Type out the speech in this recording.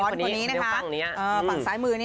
คนนี้คนนี้คนนี้ว่าตากันอยู่ข้างนี้